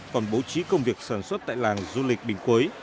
còn bố trí công việc sản xuất tại làng du lịch bình quế